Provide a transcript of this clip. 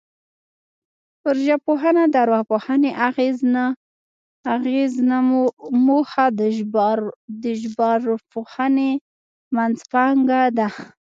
پر ژبپوهنه د ارواپوهنې اغېز نه موخه د ژبارواپوهنې منځپانګه ده